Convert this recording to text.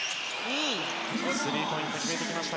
スリーポイントを決めてきました